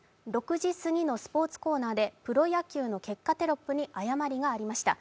６時すぎのスポーツコーナーでプロ野球の結果テロップに誤りがありました。